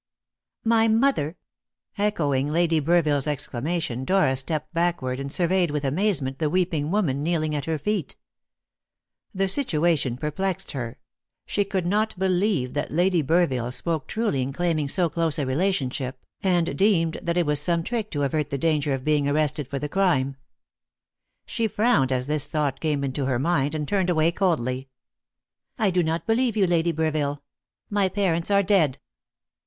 "My mother!" Echoing Lady Burville's exclamation, Dora stepped backward and surveyed with amazement the weeping woman kneeling at her feet. The situation perplexed her. She could not believe that Lady Burville spoke truly in claiming so close a relationship, and deemed that it was some trick to avert the danger of being arrested for the crime. She frowned as this thought came into her mind, and turned away coldly. "I do not believe you, Lady Burville. My parents are dead."